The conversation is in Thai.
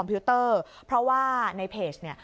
เพราะว่าในเพจเนี่ย